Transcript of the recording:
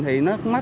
thì nó mất